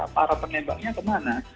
para penembaknya kemana